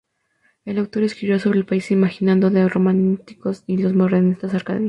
El autor escribió sobre el país imaginado de los románticos y los modernistas, Arcadia.